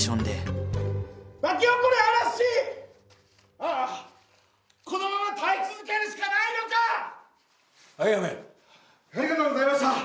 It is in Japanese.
「あぁこのまま耐え続けるしかないはいやめありがとうございました！